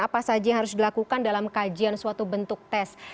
soal tahapan dan apa saja yang harus dilakukan dalam kajian suatu bentuk tes